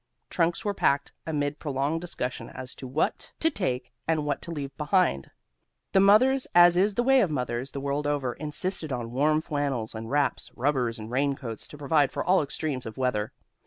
Trunks were packed, amid prolonged discussion as to what to take and what to leave behind. The mothers, as is the way of mothers the world over, insisted on warm flannels, and wraps, rubbers and rain coats, to provide for all extremes of weather.